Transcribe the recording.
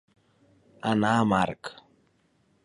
Anar a marc.